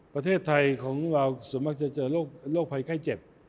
ประเทศไทยของเราส่วนมากจะเจอโรคภัยไข้เจ็บ